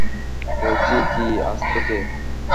বলছি কি আজ থেকে?